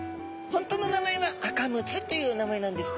本当の名前はアカムツという名前なんです。